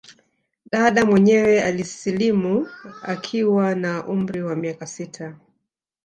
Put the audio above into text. Dada mwenyewe alisilimu akiwa na umri wa miaka sita